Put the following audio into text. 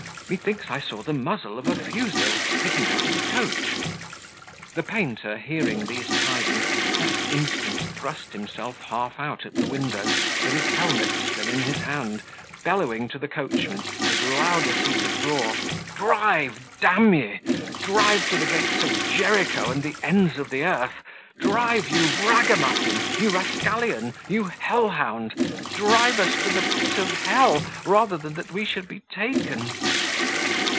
Methinks I saw the muzzle of a fusil sticking out of the coach." The painter, hearing these tidings, that instant thrust himself half out at the window, with his helmet still in his hand, bellowing to the coachman, as loud as he could roar, "Drive, d ye, dive to the gates of Jericho and the ends of the earth! Drive, you ragamuffin, you rascallion, you hell hound! Drive us to the pit Of hell, rather than we should be taken!"